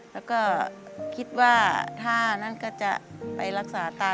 แล้วก็คิดว่าถ้านั่นก็จะไปรักษาตา